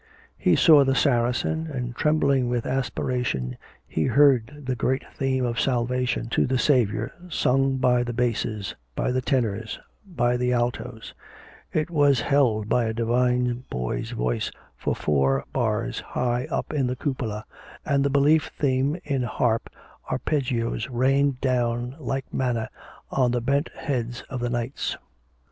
He saw the Saracen, and trembling with aspiration, he heard the great theme of salvation to the Saviour sung by the basses, by the tenors, by the altos; it was held by a divine boy's voice for four bars high up in the cupola, and the belief theme in harp arpeggios rained down like manna on the bent heads of the knights.